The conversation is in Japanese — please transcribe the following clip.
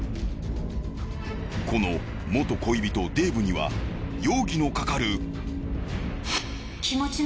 この元恋人デイブには容疑のかかる。